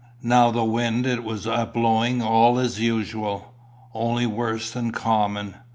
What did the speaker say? Now the wind it was a blowing all as usual, only worse than common.